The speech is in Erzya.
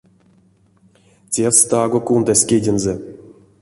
Тевс таго кундасть кедензэ.